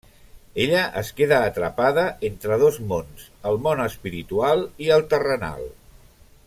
Ella es queda atrapada entre dos mons, el món espiritual i el terrenal.